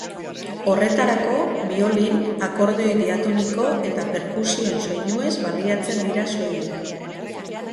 Horretarako, biolin, akordeoi diatoniko eta perkusioen soinuez baliatzen dira soilik.